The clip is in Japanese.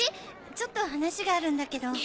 ちょっと話があるんだけど。